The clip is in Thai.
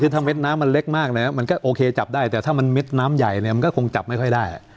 คือถ้าเด็ดน้ำมันเล็กมากแล้วมันก็โอเคจับได้แต่ถ้ามันเม็ดน้ำใหญ่เนี่ยมันก็คงจับไม่ค่อยได้